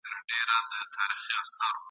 چي تر څو په دې وطن کي هوښیاران وي !.